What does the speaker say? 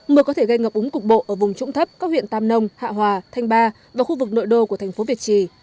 mưa có thể gây ngập úng cục bộ ở vùng trũng thấp các huyện tam nông hạ hòa thanh ba và khu vực nội đô của thành phố việt trì